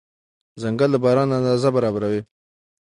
ځنګل د باران اندازه برابروي.